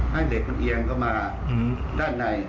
ให้เหล็กมันเอียงเข้ามาด้านใน